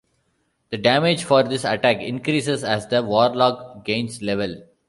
The damage for this attack increases as the warlock gains levels.